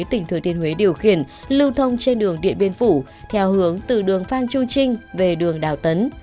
tỉnh thừa thiên huế điều khiển lưu thông trên đường điện biên phủ theo hướng từ đường phan chu trinh về đường đào tấn